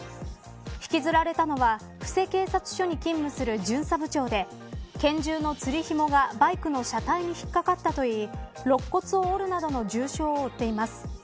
引きずられたのは布施警察署に勤務する巡査部長で拳銃のつりひもがバイクの車体に引っ掛かったといい肋骨を折るなどの重傷を負っています。